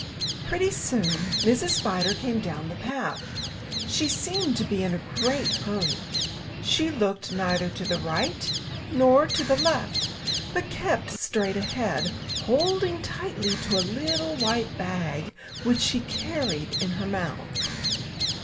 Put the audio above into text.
Pretty soon Mrs. Spider came down the path. She seemed to be in a great hurry. She looked neither to the right nor to the left, but kept straight ahead, holding tightly to a little white bag which she carried in her mouth.